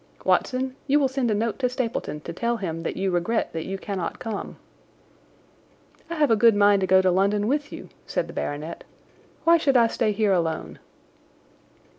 Watson, you will send a note to Stapleton to tell him that you regret that you cannot come." "I have a good mind to go to London with you," said the baronet. "Why should I stay here alone?"